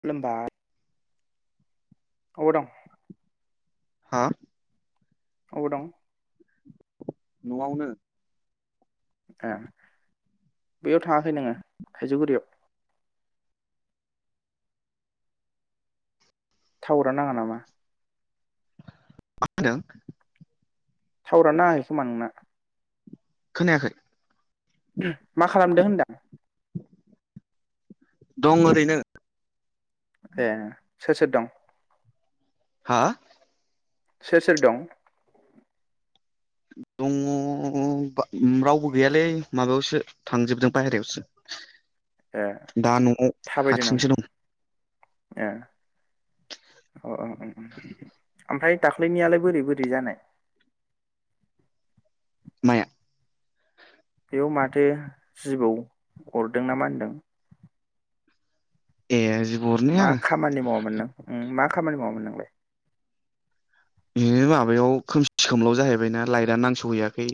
खुलुमबाय अबाव दं? हा? अबाव दं? न'आवनो ए बेयाव थाङाखै नोङो थाइजौगुरियाव। थावारा नाङा नामा? मा [unintelligible] थावारानो नाङाखै खोमा नोंना। खोनायाखै। मा खालामदों होनदां? दं ओरैनो। ए सोर सोर दं? हा? सोर सोर दं? दङ' [unintelligible] रावबो गैयालै माबायावसो थांजोबदों ए बायहेरायावसो। दा न'आव थाबायदों हारसिंसो दं। अ अ अ ओमफाय दाख्लैनियालाय बोरै बोरै जानाय? माया? बेयाव माथो जिबौ अरदों ना मा होनदों? ए जि मा खामानि मावामोन नों उम मा खामानि मावामोन नोंलाय? बिदिनो माबायाव खोमसि खोमलाव जाहैबायना लाइटआ नांस'हैयाखै।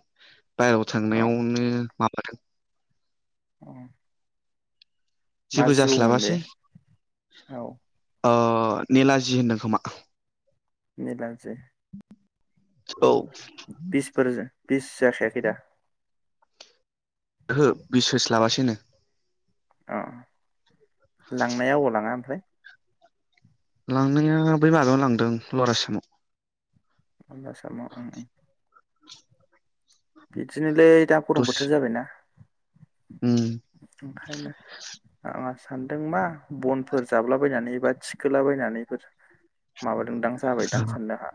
बायहेरायाव औ थांनायावनो माबादों औ मा जेबो जिबौमोन बे जास्लाबासै औ अ नेलाजि होनदों खोमा नेला जि औ ओहो बिसफोर जो बिस जाखायाखै दा? ओहो बिस होस्लाबासैनो अ लांनाया अबाव लाङा ओमफ्राय लांनाया बै माजायाव लांदों लरासाइमाव आसामाव उम उम बिदिनोलै दा गरम दसे बोथोर जाबायना उम [unintelligible] सानदों मा बनफोर जाबलाबायनानै एबा थिखोलाबायनानैफोर माबादोंदां जाबायदां साननो आहा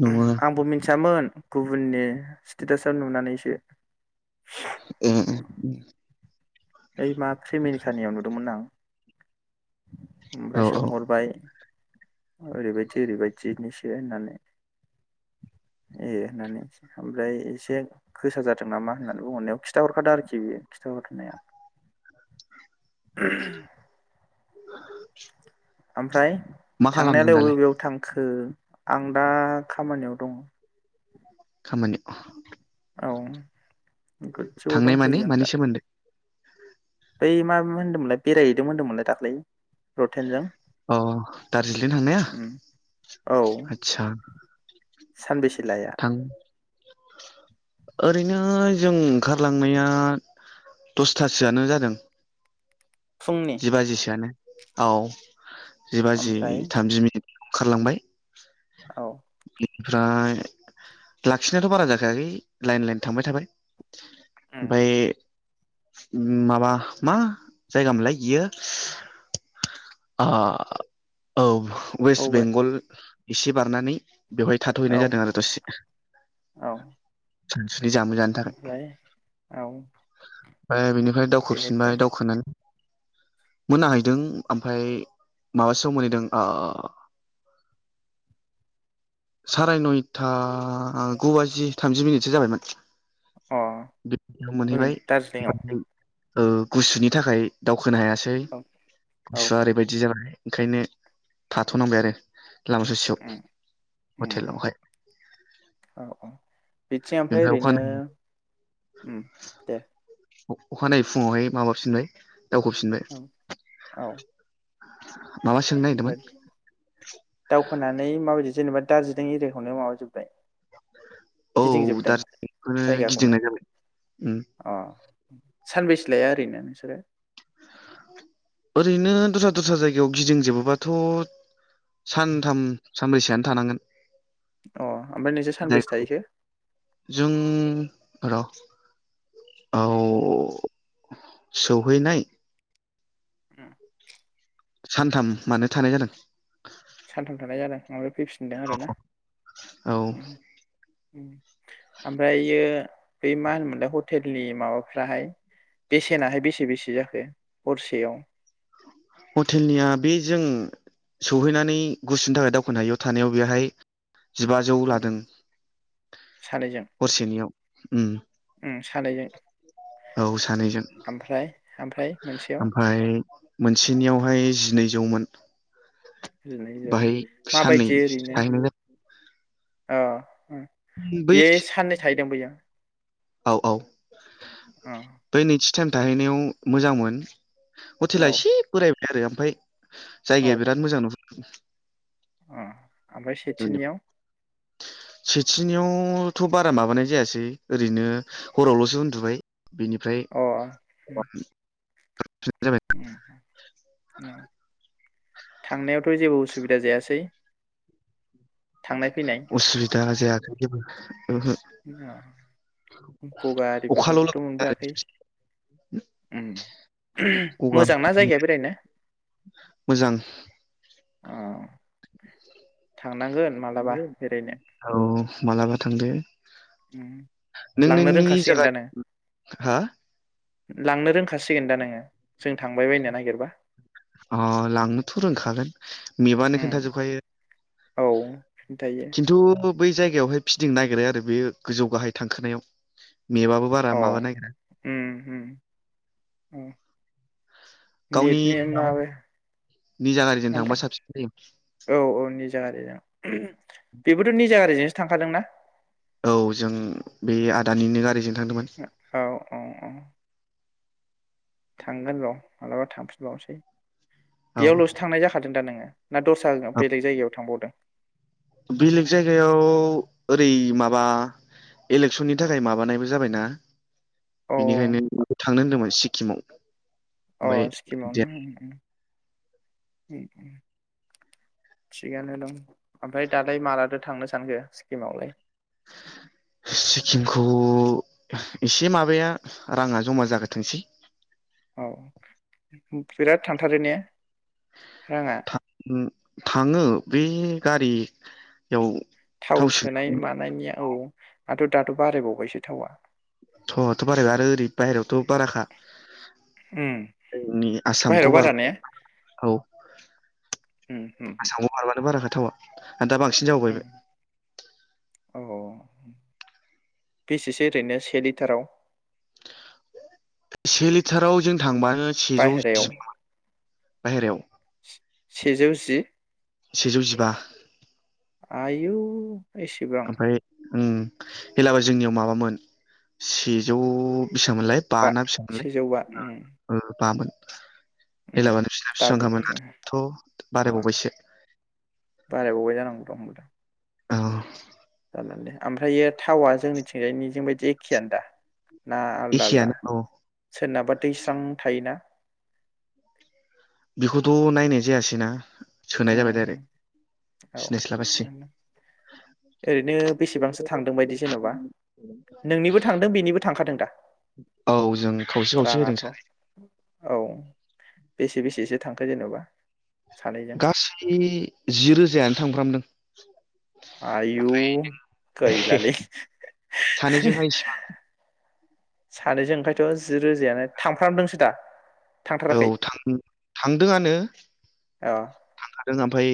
नङा आंबो मिथियामोन गुबुननि स्टेटासाव नुनानैसो ए ओइ मा फ्रेमेनितानियाव नुदोंमोन ना आं औ ओमफ्राय औ सोंहरबाय ओरैबायदि ओरैबायदिनिसो होननानै ए होननानै स ओमफ्राय एसे गोसा जादों नामा होननानै बुंहरनायाव खिथाहरखादो आरोखि खिथाहरनाया [unintelligible] ओमफ्राय मा खालामदों थांनायालाय दालाय अबे अबेयाव थां खो आं दा खामानियाव दङ' खामानियाव औ गोदजौआव थांनाय माने दंफैयो आं मानि दा सोमोन्दै बै मा मोन्दोंमोनलाय बेरायहैदों मोन्दोंमोनलाय दाख्लै रथेनजों अ दार्जिलिं थांनाया उम आतसा सानबैसे थां ओरैनो जों ओंखारलांनाया दसथासोआनो जादों फुंनि जिबाजि सोयानो औ जि बाजि ओमफ्राय थामजि मिनिट ओंखारलांबाय औ ओमफ्राय लाखिनायाथ' बारा जाखायाखै लाइन लाइन थांबाय थाबाय। उम बै उम माबा मा जायगा मोनलाय इयो आ औ वेस्ट बावबाय बेंगल एसे बारनानै बेवहाय थाथ'हैनाय औ जादों आरो दसे औ सानसुनि जामुं जानो थाखाय। ओमफ्राय औ ए बिनो ओमफाय दावखोफिनबाय बेनिफ्राय दावखोनानै मोनाहैदों। ओमफ्राय माबासोयाव मोनहैदों आ साराय नयथा गु बाजि थामजि मिनिटसो जाबायमोन। अ बेयाव हजों मोनहैबाय दार्जिलिंआव ओफ्राय ओ गुसुनि थाखाय दाउ खोनो हायासै औ औ गुसुआ ओरैबायदि जाबाय। ओंखायनो थाथ'नांबाय आरो। लामा ससेयाव उम उम हटेलावहाय औ औ बिथिं ओमफ्राय ओरैनो ओम दे। अखानायै फुङावहाय माबाफिनबाय दावखोफिनबाय औ औ [unintelligible] ओमफ्राय नागिरदोंमोन दावखोनानै माबायदि जेनेबा दार्जिलिं एरियाखौनो माबाजोब्बाय? औ दारजिलिंखौनो जायगाखौनो गिदिंनाय जाबाय ओम। सानबैसेलाया ओरैनो नोंसोरो? ओरैनो दस्रा दस्रा जायगायाव गिदिं जोबोबाथ' सानथाम सानब्रैसोआनो थानांगोन। अ ओमफ्राय नोंसोर सानबेसे जायखौ थाहैखो? जों र' औ सौहैनाय उम। सानथाम मानो थानाय जादों। सानथाम थानाय जादों ओमफ्राय फैफिन फिनदों आरो ना? औ ओम ओमफ्रायो बै मा होनोमोनलाय हटेलनि माबाफ्राहाय बेसेनाहाय बेसे बेसे जाखो हरसेयाव? हटेलनिया बे जों सहैनानै गुसुनि थाखाय दावख'नो हायियाव थानायाव बेहाय जिबाजौ उम। लादों हरसेनियाव। उम। ओम सानैजों। औ। सानैजों ओमफ्राय ओमफ्राय मोनसेयाव ओमफ्राय मोनसेनियाव हाय जि नैजौमोन। जिनैजौ बाहाय साननै माबायदि ओरैनो थाहैनाय ओ। ओम जादों बै बेयो साननै थाहैदों बैयो। औ औ। अ बे नैथि। टाइम थाहैनायाव मोजांमोन। हथेला औ एसे बोराय। आरो ओमफाय। जायगाया औ बिराद मोजां। अ ओमफ्राय नुहुरदों सेथिनियाव। सेथिनियावथ' बारा माबानाय जायासै। ओरैनो हरावल'सो उन्दुबाय। बेनिफ्राय। अ उम उम [unintelligible] औ। थांनायाव। थ' जेबो उसुबिदा जायासै। थांनाय फैनाय असुबिदा जायाखै जेबो ओहो। गगा अखाल' आरिफोरखोथ' मोनबोआखै लागासिनो उम आरो गगा मोजांना जायगाया बेरायनो। मोजां अ थांनांगोन मालाबा बेरायनो औ मालाबा थांदो। उम लांनो रोंखासिगोन दा नों [unintelligible] लांनो रोंखासिगोन दा नोङो जों थांबाय बायनो नागिरबा। अ लांनोथ' रोंखागोन। मेबानो उम खोनथाजोबखायो औ खिन्थायो खिन्थु बै जायगायावहाय फिदिं नागिरो आरो बे गोजौ गाहाय थांखोनायाव। मेबाबो बारा औ माबा नागिरा। उम उम औ गावनि नेटनि माबो मा निजा गारिजों थांबा साबसिन जायो होनदों औ औ निजा गारिजों बेबोथ' निजा गारिजों थांखादों ना? औ जों बे आदानिनो गारिजों थांदोंमोन औ औ औ। थांगोन र' मालाबा थांफिनबावनोसै। औ बेयावल'सो थांनाय जाखादों दा नोङो? ना दस्राजों बेलेग जायगायाव थांबावदों? बेलेग जायगायाव ओरै माबा इलेकसननि थाखाय माबानायबो जाबायना। अ बेनिखायनो थांनो होनदोंमोन सि किमाव अ स्किमावनो? थिगानो दं ओमफ्राय दालाय मालादो थांनो सानखो सिक्किमावलाय? सिक्किमखौ एसे माबाया राङा जमा जाग्रोथोंसै। औ बिराद थांथारो ने? राङा? थाङो बे गारि थाव सोनाय मानायनिया औ। आथ' दाथ' बारायबावबायसो थावआ। थावाथ' बारायबाय आरो ओरै बाहेरायावथ' बाराखा। उम जोंनि आसामखौ बाहेरायाव बार बारा ने औ उम उम आसामखौ बारबानो बारा खाथ थावा? दा बांसिन जाबावबाय बे। अ बेसेसो ओरैनो से लिटाराव? से लिटाराव जों थांबा सेजौ जि बाहेरायाव [unintelligible] बाहेरायाव। सेजौ जि। सेजौ जिबा। आयवौ एसेबां ओं हेलाबो जोंनियाव माबामोन सेजौ बिसांमोनलाय बा ना बेसांमोलाय सेजौ बा उम ओ बामोन। [inaudible] उम हेलाबानो फिसिना दाबो फिसांखामोन अ दाथ' बारायबावबायसो। [unintelligible] औ जाला लै ओमफ्रायो थावा जोंनिथिंजायनिजों बायदि एखेयानो दा। ना आलदा आलदा? एखेयानो औ सोरनाबा दैस्रां थायोना। बेखौथ' नायनाय जायासै ना। उम औ सिनायस्लाबासै ओरैनो बेसेबांसो थांदों बायदि जेनबा नोंनिबो थांदों बेनिबो थांखादों दा औ जों खावसे खावसे होदों रांआथ'। सानै औ बेसे बेसेसो थांखो जेनबा। सानैजों? जि जि रोजायानो थांफ्रामदों। आयु गैलालै सानैजोंहाय इसिबां सानैजों ओंखायथ' जि रोजायानो थामफ्रामदोंसो दा? औ थांथाराखै थां थांदोंआनो अ थांखादों ओमफ्राय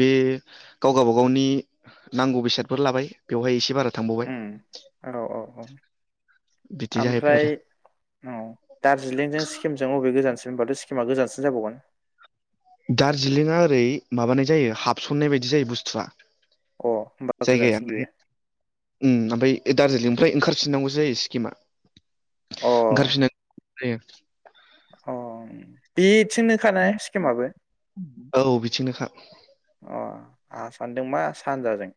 बे गाव गावबागावनि नांगौ बेसादफोर लाबाय बेवहाय एसे बारा थांबावबाय उम औ औ औ। बिदि जाहैबाय आरो ओमफ्राय औ दार्जिलिंजों सिक्किमजों अबे गोजानसिन होनबाथ' सिकिमा गोजानसिन जाबावगोन। दार्जिलिंआ ओरै माबानाय जायो हाबसननाय बायदि जायो बुस्थुआ। अ होमबा गोजानसिन बेयो जायगायालाय उम ओमफ्राय दारजिलिंनिफ्राय ओंखारफिननांगौ जायो सिक्किमा। अ ओंखारफिनो [unintelligible] अ बि थिंनो खा ने स्किमाबो अ। औ बिथिंनोखा आंहा सानदों मा सानजाजों।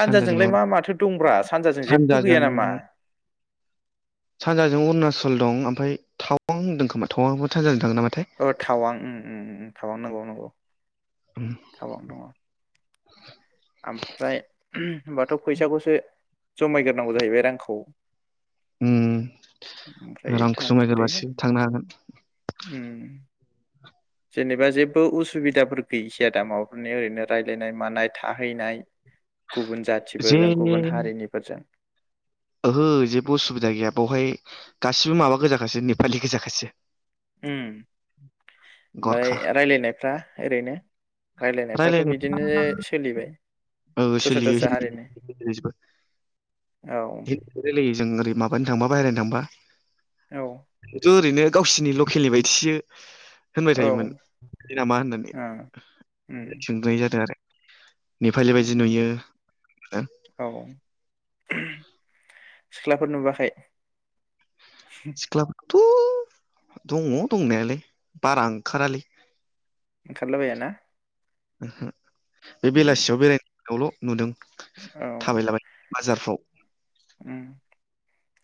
सानजाजों नङा मा माथो दंब्रा सानजाजों जेबो गैया नामा? सानजाजों अरुणाचल दं ओमफ्राय थावां होनदों खोमा थावांआबो सानजाजों। थाङो नामाथाय औ थावां ओं ओं ओं। औ नंगौ नंगौ। थावां दङ। ओमफ्राय [unintelligible] होनबाथ' फैसाखौसो जमायग्रोनांगौ जाहैबाय रांखौ। उम ओमफ्राय रांखौ थांदो जमायग्रोबासो थांनो हागोन। उम जेनेबा जेबो उसुबिदाफोर गैखायादा माबाफोरनि ओरैनो रायलायनाय मानाय थाहैनाय गुबुन जे जाथिफोरजों गुबुन हारिनिफोरजों ओहो जेबो उसुबिदा गैया बेवहाय गासिबो माबा गोजाखासो नेपालि गोजाखासो। उम ओमफ्राय गरखा रायलायनायफ्रा ओरैनो रायलायनायफ्राथ' रायलायनो बिदिनो सोलिबाय औ दस्रा सोलियो दस्रा हिन्दी हारिनि औ रायलायो जों ओरै माबानो थांबा बायहेरानि थांबा। औ नोंथ' ओरैनो गावसिनि लकेलनि बायदिसो होनबाय ओ थायोमोन नामा होननानै उम सोंनाय जादों आरो। नेपालि बायदि नुयो। औ सिख्लाफोर नुुबोआखै? सिख्लाफोर थ' दङ दंनायालाय बारा ओंखारालै। ओंखारला बायाना? ओहो बे बेलासियाव बेरायनो बेयावल' नुदों। औ थाबायलाबाय बाजारफ्राव ओम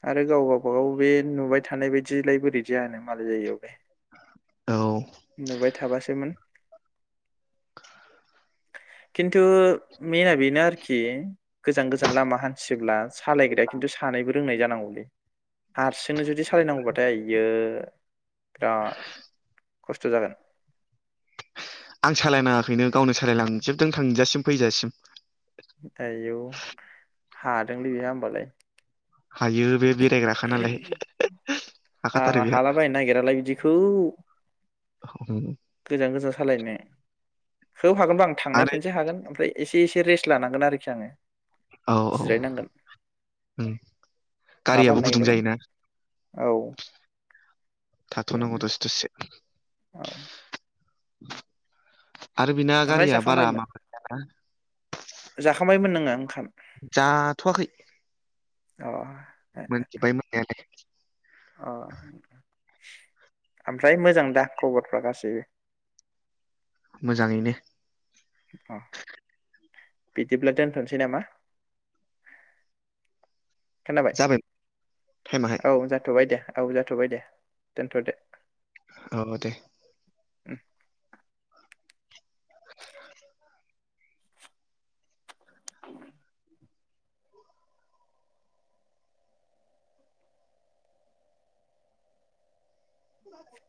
आरो गाव गावबागाव बे नुबाय थानाय बायदिलाय बोरै जानो मालाय जायगायावलाय। औ नुबाय थाबासोमोन। खिन्थु मेना बेनो आरोखि गोजान गोजान लामा हान्थियोब्ला सालायग्राया खिन्थु सानैबो रोंनाय जानांगौ। [unintelligible] हारसिंनो जुदि सालायनांगौबाथाय आयै बिराद खस्थ' जागोन। आं सालायनाङाखैनो गावनो सालायलांजोबदों थांजासिम फैजासिम। आयौ हादोंलै बेहा होमबालाय। हायो बे बे आं हाखाथारो बेहा हालाबायनो नागिरालाय बिदिखौ गोजान गोजान सालायनो बेखौ हागोनबा आं थांनाय आरो खनसे हागोन ओमफ्राय एसे एसे रेस्ट लानांगोन आरोखि आङो। औ औ जिरायनांगोन उम माबा होननो गारियाबो गुदुं नागिरदोंमोन जायोना? औ थाथ'नांगौ बेयावनो दसे दसे औ [inaudible] आरो बिना ओमफ्राय गारिया बारा जाखांबायमोन माबा गैयाना जाखांबायमोन नोङो ओंखाम। जाथ आखै। अ। मोनजोबबाय मोननायालाय। अ ओमफ्राय मोजां दा खबरफ्रा गासैबो? मोजाङैनो। अ बिदिब्ला दोनथसै नामा? खोनाबाय जाबाय टाइमाहाय औ जाथबाय दे। औ जाथबाय दे दोनथदो। औ दे उम। [unintelligible] खोन्दों?